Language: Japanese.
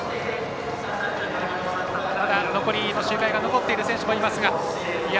ただ、残りの周回が残っている選手もいます。